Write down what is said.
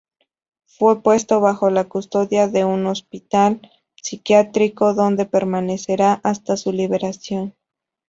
Fue puesto bajo la custodia de un hospital psiquiátrico, donde permanecerá hasta su liberación.